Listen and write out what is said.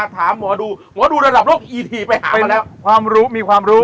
ถามหมอดูหมอดูระดับโลกอีทีไปหาไปแล้วความรู้มีความรู้